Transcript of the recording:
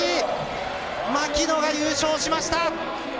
牧野が優勝しました。